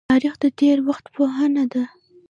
تاریخ د تیر وخت پوهنه ده